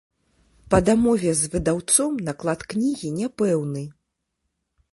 Па дамове з выдаўцом, наклад кнігі няпэўны.